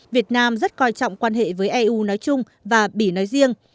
việt nam rất coi trọng quan hệ với eu nói chung và bỉ nói riêng